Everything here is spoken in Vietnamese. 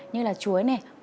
như là chuối này